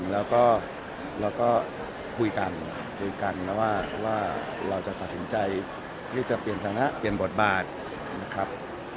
แล้วก็คุยกันแล้วว่าเราจะตัดสินใจที่จะเปลี่ยนศาละเปลี่ยนบทบาทนะครับ